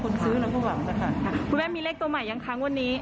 คนซื้อเราก็หวังแล้วค่ะคุณแม่มีเลขตัวใหม่ยังค้างวันนี้